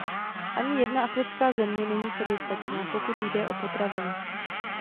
Ani jedna africká země není soběstačná, pokud jde o potraviny.